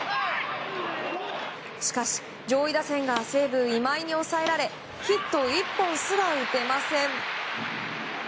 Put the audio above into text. しかし上位打線が西武、今井に抑えられヒット１本すら打てません。